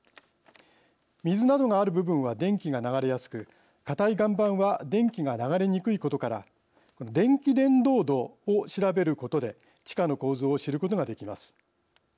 水などがある部分は電気が流れやすくかたい岩盤は電気が流れにくいことから電気伝導度を調べることで地下の構造を知ることができます。